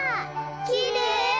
きれい！